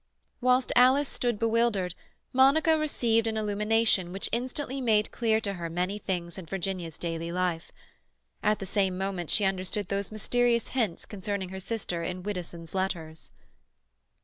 Whilst Alice stood bewildered, Monica received an illumination which instantly made clear to her many things in Virginia's daily life. At the same moment she understood those mysterious hints concerning her sister in Widdowson's letters.